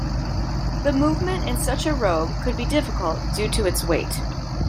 The movement in such a robe could be difficult due to its weight.